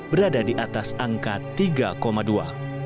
berada di atas angka tiga dua